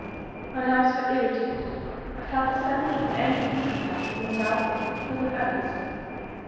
My nerves were irritated; I felt a sense of angry discontent with myself and with others.